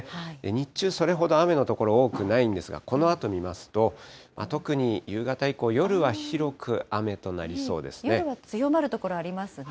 日中、それほど雨の所多くないんですが、このあと見ますと、特に夕方以降、夜は広く雨となりそう夜は強まる所ありますね。